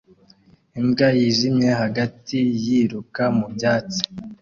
Imbwa yijimye hagati yiruka mu byatsi